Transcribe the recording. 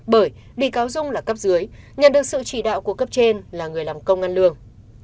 bởi bị cáo dung là cấp dưới nhận được sự chỉ đạo của cấp trên là người làm công ngăn lương